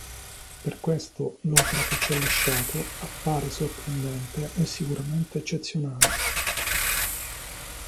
Per questo l'opera che ci ha lasciato appare sorprendente e sicuramente eccezionale.